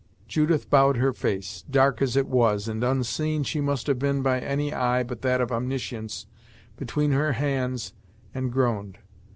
Judith bowed her face, dark as it was, and unseen as she must have been by any eye but that of Omniscience, between her hands, and groaned.